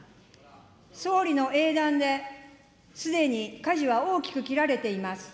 総理の英断で、すでにかじは大きく切られています。